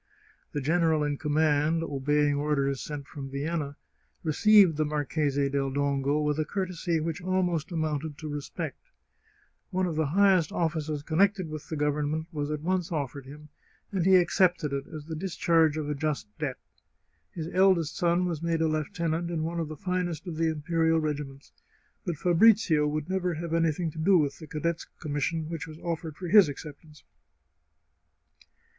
The general in command, obeying orders sent from Vienna, received the Marchese del Dongo with a courtesy which almost amounted to re spect. One of the highest offices connected with the Gov ernment was at once offered him, and he accepted it as the discharge of a just debt. His eldest son was made a lieutenant in one of the finest of the imperial regiments, but Fabrizio would never have anything to do with the cadet's commission which was offered for his acceptance.